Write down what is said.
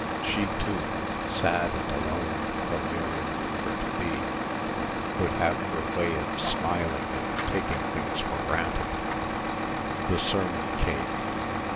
She, too, sad and alone though Miriam knew her to be, would have her way of smiling and taking things for granted. The sermon came.